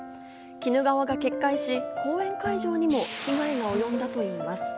鬼怒川が決壊し、講演会場にも被害がおよんだといいます。